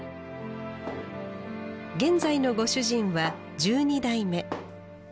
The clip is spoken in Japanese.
現在のご主人は十二代目。